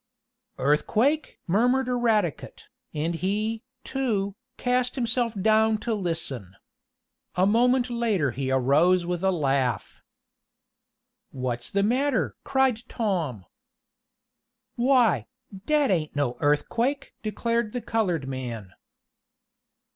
"Earthquake?" murmured Eradicate, and he, too, cast himself down to listen. A moment later he arose with a laugh. "What's the matter?" cried Tom. "Why, dat ain't no earthquake!" declared the colored man.